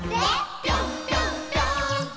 「ピョンピョンピョーンって！」